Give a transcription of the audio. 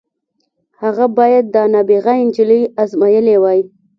هغه بايد دا نابغه نجلۍ ازمايلې وای.